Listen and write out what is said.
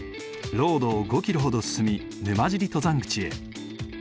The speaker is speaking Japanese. ロードを５キロほど進み沼尻登山口へ。